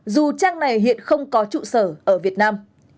dù trang này hiện không có trụ sở ở việt nam